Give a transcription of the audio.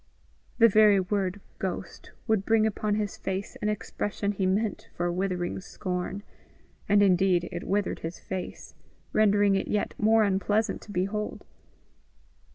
The very word ghost would bring upon his face an expression he meant for withering scorn, and indeed it withered his face, rendering it yet more unpleasant to behold.